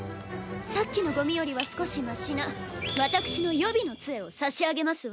さっきのゴミよりは少しマシな私の予備の杖を差し上げますわ。